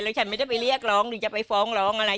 ฉันไม่ได้ไปเรียกร้องหรือจะไปฟ้องร้องอะไร